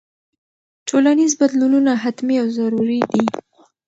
ټولنیز بدلونونه حتمي او ضروري دي.